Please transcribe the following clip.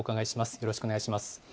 よろしくお願いします。